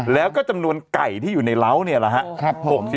แล้วก็จำนวนไก่ที่อยู่ในเล้าเนี่ยแหละครับผม